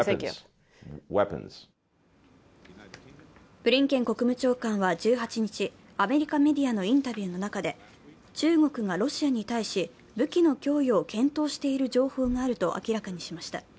ブリンケン国務長官は１８日、アメリカメディアのインタビューの中で中国がロシアに対し武器の供与を検討している情報があると明らかにしました。